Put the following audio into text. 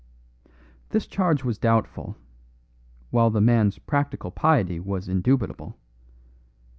This charge was doubtful, while the man's practical piety was indubitable.